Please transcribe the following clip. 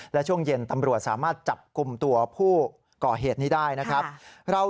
และช่วงเย็นตำรวจสามารถจับกลุ่มตัวผู้ก่อเหตุนี้ได้นะครับ